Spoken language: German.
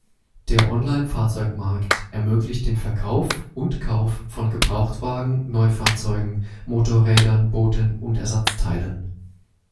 Der Online-Fahrzeugmarkt ermöglicht den Verkauf und Kauf von Gebrauchtwagen, Neufahrzeugen, Motorrädern, Booten und Ersatzteilen.